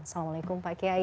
assalamualaikum pak kiai